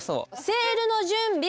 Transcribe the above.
セールの準備！